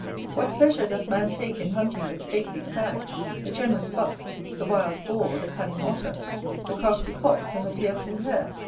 What pleasure doth man take in hunting the stately Stag, the generous Buck, the wild Boar, the cunning Otter, the crafty Fox, and the fearful Hare!